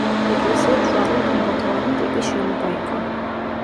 ეკლესია ჯვარულ-გუმბათოვანი ტიპის შენობა იყო.